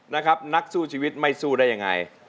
นักสู้ชีวิตไม่สู้ได้ยังไง